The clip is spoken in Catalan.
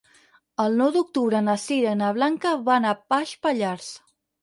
El nou d'octubre na Sira i na Blanca van a Baix Pallars.